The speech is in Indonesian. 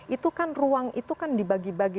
itu kan ruang itu kan dibagi bagi